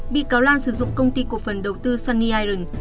bị cáo lan sử dụng công ty cổ phần đầu tư sunny iron